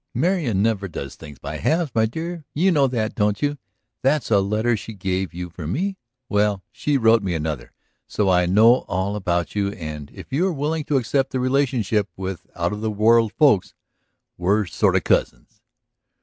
"Marian never does things by halves, my dear; you know that, don't you? That's a letter she gave you for me? Well, she wrote me another, so I know all about you. And, if you are willing to accept the relationship with out of the world folks, we're sort of cousins!"